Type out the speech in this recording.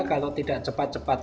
kalau tidak cepat cepat